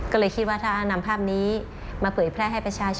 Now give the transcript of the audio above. ก็เลยคิดว่าถ้านำภาพนี้มาเผยแพร่ให้ประชาชน